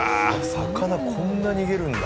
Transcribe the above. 魚こんな逃げるんだ。